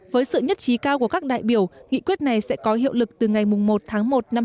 với sự nhất trí cao của các đại biểu nghị quyết này sẽ có hiệu lực từ ngày một tháng một năm hai nghìn hai mươi